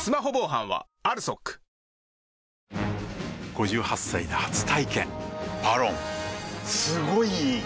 ５８歳で初体験「ＶＡＲＯＮ」すごい良い！